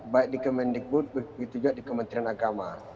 baik di kementerian agama